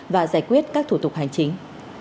và giải quyết các thủ tục hành chính